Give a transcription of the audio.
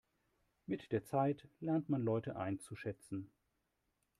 Mit der Zeit lernt man Leute einzuschätzen.